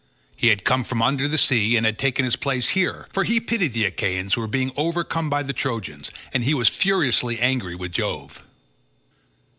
He had come from under the sea and taken his place here, for he pitied the Achaeans who were being overcome by the Trojans; and he was furiously angry with Jove.